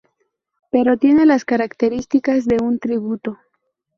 Pero tiene las características de un tributo.